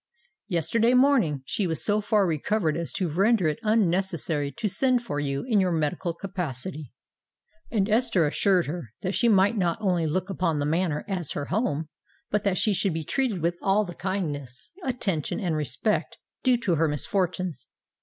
Yesterday morning she was so far recovered as to render it unnecessary to send for you in your medical capacity; and Esther assured her that she might not only look upon the Manor as her home, but that she should be treated with all the kindness, attention, and respect, due to her misfortunes.